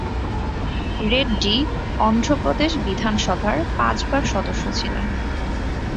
রেড্ডি অন্ধ্রপ্রদেশ বিধানসভার পাঁচ বার সদস্য ছিলেন।